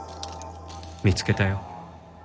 見つけたよ。